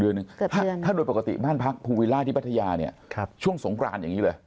ถ้าโดยปกติบ้านพักภูวิลล่าที่พัทยาเนี่ยช่วงสงกรานอย่างนี้เลย